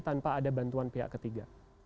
tanpa ada bantuan pihak ketiga